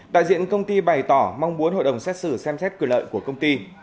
đại diện công ty bày tỏ mong muốn hội đồng xét xử xem xét quyền lợi của công ty